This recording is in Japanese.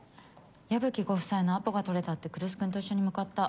矢吹ご夫妻のアポが取れたって来栖君と一緒に向かった。